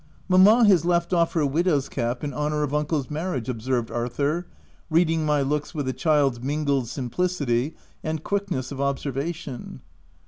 " Mamma has left off her widow's cap in hon our of uncle's marriage," observed Arthur, reading my looks with a child's mingled sim plicity and quickness of observation.